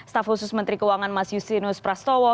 staf khusus menteri keuangan mas yusinus prastowo